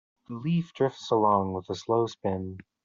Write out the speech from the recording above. The leaf drifts along with a slow spin.